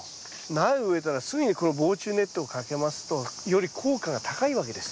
苗を植えたらすぐにこの防虫ネットをかけますとより効果が高いわけです。